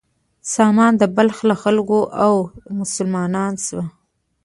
سامان د بلخ له خلکو و او مسلمان شو.